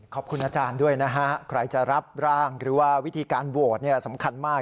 ขอบคุณอาจารย์ด้วยนะฮะใครจะรับร่างหรือว่าวิธีการโหวตสำคัญมาก